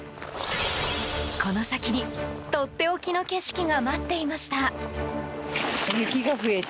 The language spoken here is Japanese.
この先に、とっておきの景色が待っていました。